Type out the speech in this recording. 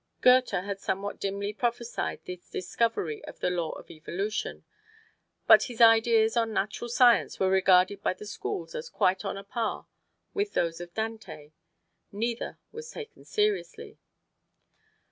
Goethe had somewhat dimly prophesied the discovery of the Law of Evolution, but his ideas on natural science were regarded by the schools as quite on a par with those of Dante: neither was taken seriously.